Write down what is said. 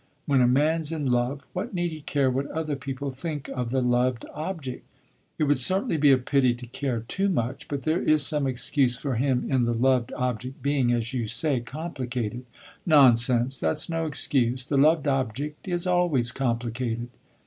When a man 's in love, what need he care what other people think of the loved object?" "It would certainly be a pity to care too much. But there is some excuse for him in the loved object being, as you say, complicated." "Nonsense! That 's no excuse. The loved object is always complicated."